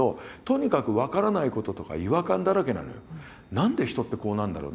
何で人ってこうなんだろう。